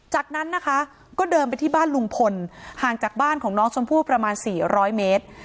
จากนั้นนะคะก็เดินไปที่บ้านลุงพลห่างจากบ้านของน้องชมพู่ประมาณ๔๐๐เมตร